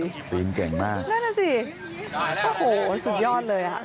จริงเก่งมากนั่นแหละสิโอ้โหสุดยอดเลย